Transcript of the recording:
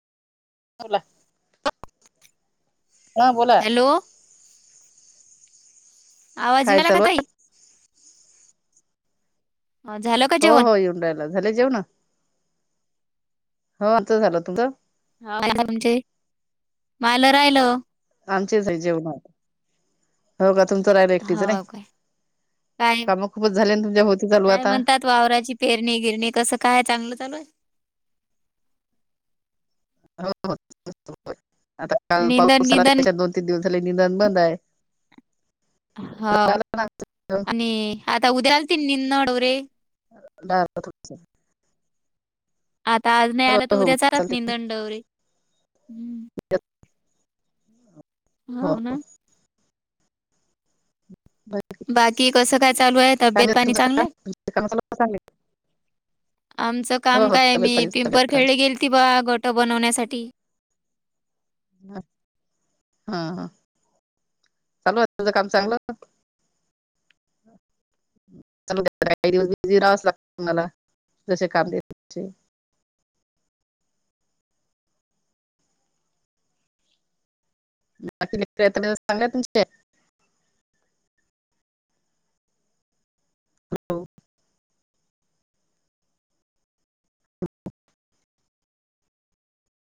[unintelligible] हा बोला. हॅलो! आवाज येऊ काय रायला, का चालू आहे? ताई? झालं का हो जेवण हो येऊन रायला, झाले जेवण? हो आता झालं, तुमचं हा म्हणजे, मायला राहिलं. आमचेच जेवण. हो का तुमचं राहिल एकटीचं नाही, हो काय काय काम खूपच झाले तुमच्या होती चालू काय आता. म्हणतात वावराची पेरणी गिरणी कसं काय, चांगलं चालूय? हो आता काल निंदन पाऊस झाला, गिंदन त्याच्यात दोन तीन दिवस झाले निदान बंद आहे. हो आणि आता उद्याल ती, निनडोरे. झालं तुमचं. आता आज नाही आला तर, हो हो उद्या चालत चालते नि दंडवररी. हो हा व ना? हो बाकी कसं काय चालू आहे, तब्येत पाणी तुमचं चांगले? काम तुमचे काम चालू चांगले आमचं हो काम हो काय, तब्येत मी पाणी सगळ्यात पिंपरखेडे गेल ती बा गोट बनवण्यासाठी. ह हा ह. चालू तुझं, काम चांगलं. काही दिवस बिझी राहावच लागत मला, जसे काम देत. तसे बाकी सांगाय तुमचे. होॅलो!